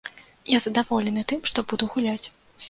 Я задаволены тым, што буду гуляць.